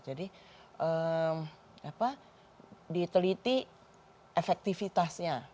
jadi apa diteliti efektifitasnya